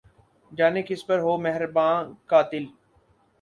جانے کس پر ہو مہرباں قاتل